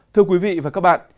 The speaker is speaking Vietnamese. thưa quý vị và các bạn